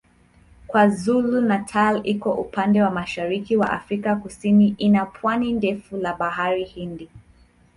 KwaZulu-Natal iko upande wa mashariki wa Afrika Kusini ina pwani ndefu la Bahari Hindi.